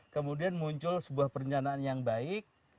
kemudian muncul sebuah perencanaan yang baik